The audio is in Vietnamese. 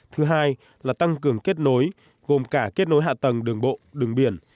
thứ hai là tăng cường kết nối gồm cả kết nối hạ tầng đường bộ đường biển